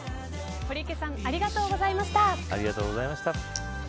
堀池さんありがとうございました。